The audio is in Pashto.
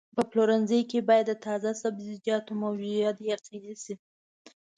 په پلورنځي کې باید د تازه سبزیجاتو موجودیت یقیني شي.